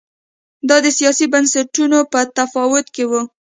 دا د سیاسي بنسټونو په تفاوت کې و